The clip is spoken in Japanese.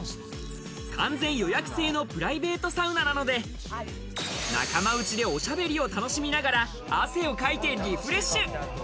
完全予約制のプライベートサウナなので、仲間内でおしゃべりを楽しみながら、汗をかいてリフレッシュ！